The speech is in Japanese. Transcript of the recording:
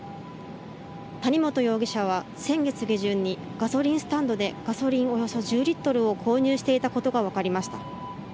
谷本容疑者は先月下旬にガソリンスタンドでガソリンをおよそ１０リットルを購入していたことが分かりました。